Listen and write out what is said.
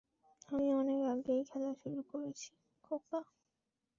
আমি অনেক আগেই খেলা শুরু করেছি, খোকা।